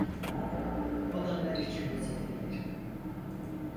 Olanlar için özür dilerim.